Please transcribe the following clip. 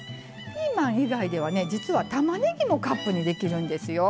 ピーマン以外ではね実はたまねぎもカップにできるんですよ。